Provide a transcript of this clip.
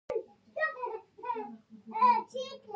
چاته اجازه ور نه کړو چې اثار و پلټنې.